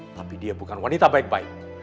tapi dia bukan wanita baik baik